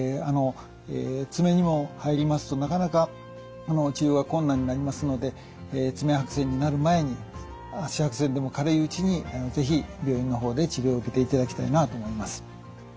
爪にも入りますとなかなか治療が困難になりますので爪白癬になる前に足白癬でも軽いうちに是非病院の方で治療を受けていただきたいなと思います。